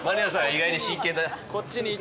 意外に真剣だ。